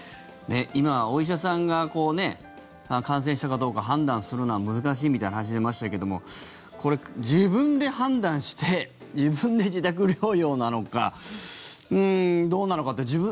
今、お医者さんが感染したかどうか判断するのは難しいみたいな話が出ましたけどもこれ、自分で判断して自分で自宅療養なのかどうなのかって。